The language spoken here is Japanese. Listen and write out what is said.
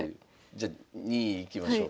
じゃ２位いきましょう。